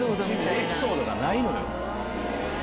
エピソードがないのよ。